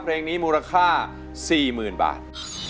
เพลงนี้มูลค่า๔๐๐๐บาท